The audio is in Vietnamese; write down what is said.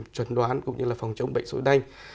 chuẩn đoán cũng như là phòng chống bệnh sốt huyết đanh